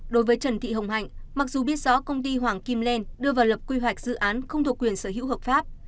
đối với trần thị hồng hạnh mặc dù biết rõ công ty hoàng kim lên đưa vào lập quy hoạch dự án không thuộc quyền sở hữu hợp pháp